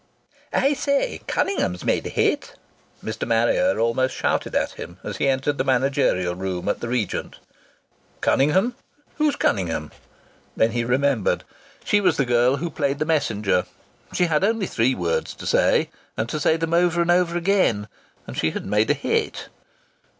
VIII "I say, Cunningham's made a hit!" Mr. Marrier almost shouted at him as he entered the managerial room at the Regent. "Cunningham? Who's Cunningham?" Then he remembered. She was the girl who played the Messenger. She had only three words to say, and to say them over and over again; and she had made a hit!